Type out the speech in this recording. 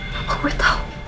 kenapa gue tahu